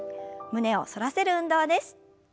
胸を反らせる運動です。